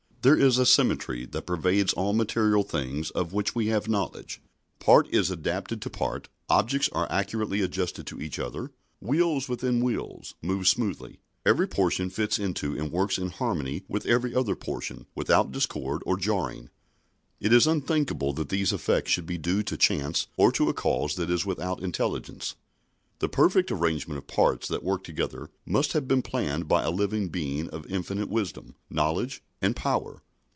There is a symmetry that pervades all material things of which we have knowledge. Part is adapted to part; objects are accurately adjusted to each other; "wheels within wheels" move smoothly; every portion fits into and works in harmony with every other portion without discord or jarring. It is unthinkable that these effects should be due to chance or to a cause that is without intelligence. The perfect arrangement of parts that work together must have been planned by a living Being of infinite wisdom, knowledge, and power.